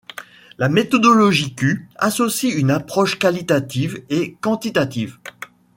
La méthodologie Q associe une approche qualitative et quantitative.